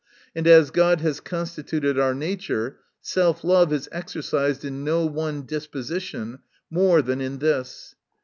And as God has constituted our nature, self love is exercised in no one disposition more than in this.